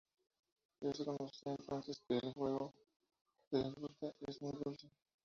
Ya se conocía entonces que el jugo de la fruta es muy dulce.